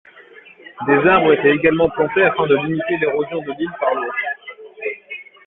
Des arbres étaient également plantés afin de limiter l'érosion de l'île par l'eau.